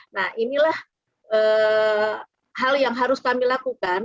nah inilah hal yang harus kami lakukan